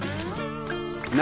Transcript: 何？